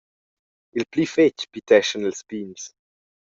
Il pli fetg piteschan ils pigns.